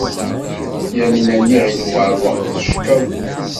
Yamina n Yiɣil Ubeṛwaq teckeḍ.